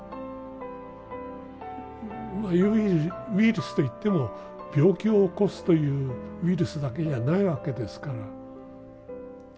ウイルスといっても病気を起こすというウイルスだけじゃないわけですから。